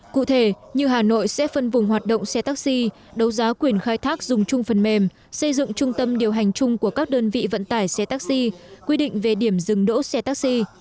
cụ thể như hà nội sẽ phân vùng hoạt động xe taxi đấu giá quyền khai thác dùng chung phần mềm xây dựng trung tâm điều hành chung của các đơn vị vận tải xe taxi quy định về điểm dừng đỗ xe taxi